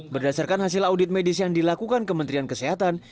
berdasarkan hasil audit medis yang dilakukan kementerian kesehatan